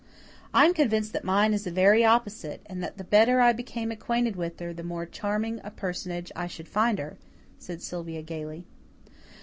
"I'm convinced that mine is the very opposite, and that the better I became acquainted with her, the more charming a personage I should find her," said Sylvia gaily.